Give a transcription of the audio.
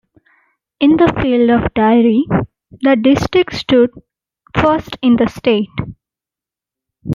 In the field of Dairy, the district stood first in the state.